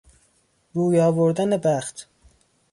روی آوردن بخت